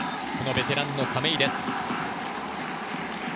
ベテラン・亀井です。